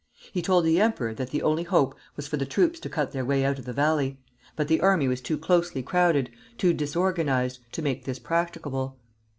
He told the emperor that the only hope was for the troops to cut their way out of the valley; but the army was too closely crowded, too disorganized, to make this practicable.